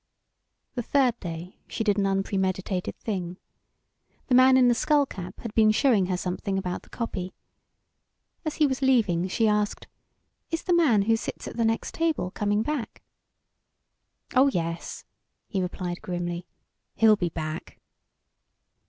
The third day she did an unpremeditated thing. The man in the skull cap had been showing her something about the copy. As he was leaving, she asked: "Is the man who sits at the next table coming back?" "Oh yes," he replied grimly, "he'll be back."